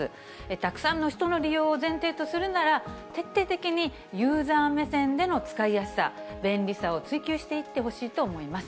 たくさんの人の利用を前提とするなら、徹底的にユーザー目線での使いやすさ、便利さを追求していってほしいと思います。